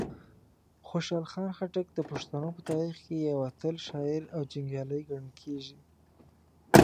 خوشحال خټک د پښتنو په تاریخ کې یو اتل شاعر او جنګیالی ګڼل کیږي.